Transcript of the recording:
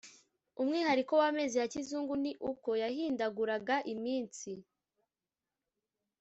umwihariko w amezi ya kizungu ni uko yahindaguraga iminsi